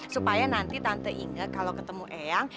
supaya nanti tante ingat kalau ketemu eyang